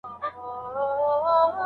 خنساء بنت خذام ولي رسول الله ته ورغله؟